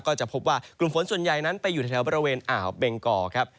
ก็จะพบว่ากลุ่มฝนส่วนใหญ่นั้นไปอยู่แถวบริเวณอ่าวเบงกอครับ